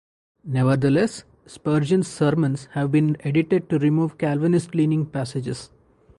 Nevertheless, Spurgeon's sermons have been edited to remove Calvinist-leaning passages.